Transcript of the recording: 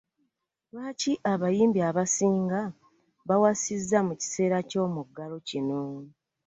Lwaki abayimbi asinga bawasizza mu kiseera ky'omuggalo kino?